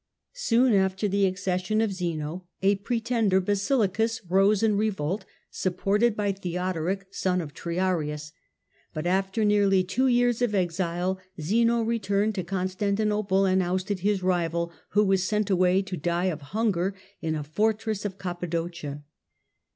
Soon after the accession of Zeno a pretender, Basiliscus, rose in revolt, supported by Theo doric, son of Triarius, but after nearly two years of exile Zeno returned to Constantinople and ousted his rival, who was sent away to die of hunger in a fortress of Cappadocia.